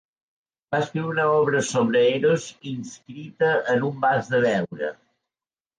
Va escriure una obra sobre Eros inscrita en un vas de veure.